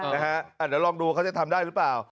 เดี๋ยวลองดูเขาจะทำได้หรือเปล่า